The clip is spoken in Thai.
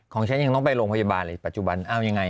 ของฉันยังต้องไปโรงพยาบาลเลยปัจจุบันเอายังไง